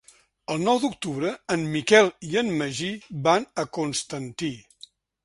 El nou d'octubre en Miquel i en Magí van a Constantí.